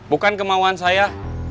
bukan kemauan saya